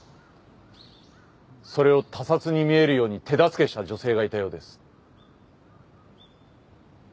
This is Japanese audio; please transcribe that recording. それを他殺に見えるように手助けした女性がいたようです。